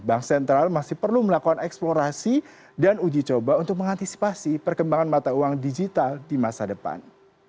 bank sentral masih perlu melakukan eksplorasi dan uji coba untuk mengantisipasi perkembangan mata uang digital di masa depan